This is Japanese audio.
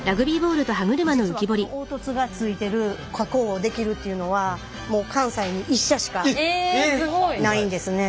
実はこの凹凸がついてる加工をできるっていうのはもう関西に１社しかないんですね。